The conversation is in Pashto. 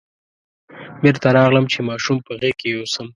بېرته راغلم چې ماشوم په غېږ کې یوسم.